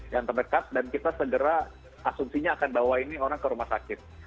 yang terdekat dan kita segera asumsinya akan bawa ini orang ke rumah sakit